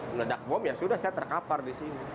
meledak bom ya sudah saya terkapar di sini